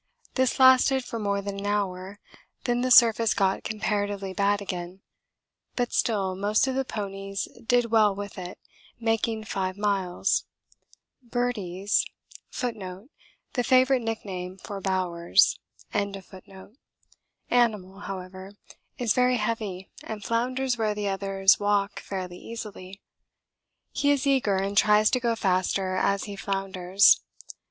This lasted for more than an hour, then the surface got comparatively bad again but still most of the ponies did well with it, making 5 miles. Birdie's animal, however, is very heavy and flounders where the others walk fairly easily. He is eager and tries to go faster as he flounders.